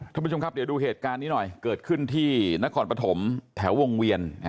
ท่านผู้ชมครับเดี๋ยวดูเหตุการณ์นี้หน่อยเกิดขึ้นที่นครปฐมแถววงเวียน